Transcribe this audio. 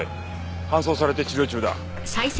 搬送されて治療中だ。